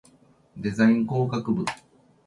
デザイン工学部